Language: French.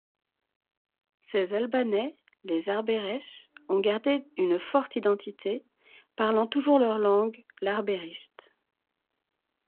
Ces Albanais, les Arbëresh, ont gardé une forte identité, parlant toujours leur langue, l'arbërisht.